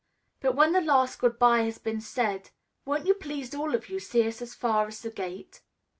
"But when the last good bye has been said, won't you please all of you see us as far as the gate?"